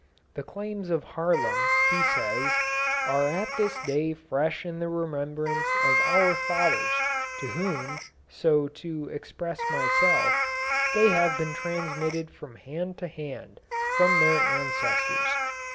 The claims of Haarlem, he says, "are at this day fresh in the remembrance of our fathers, to whom, so to express myself, they have been transmitted from hand to hand from their ancestors."